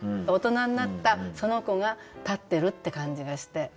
大人になったその子が立ってるって感じがして。